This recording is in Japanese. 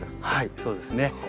はいそうですね。